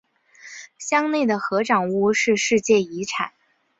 乡内的合掌屋是世界遗产。